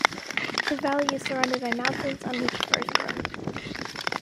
The valley is surrounded by mountains, on which firs grow.